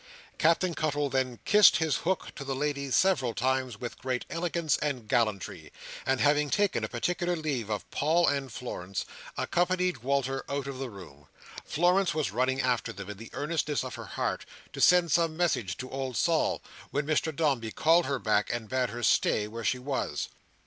Captain Cuttle then kissed his hook to the ladies several times, with great elegance and gallantry; and having taken a particular leave of Paul and Florence, accompanied Walter out of the room. Florence was running after them in the earnestness of her heart, to send some message to old Sol, when Mr Dombey called her back, and bade her stay where she was.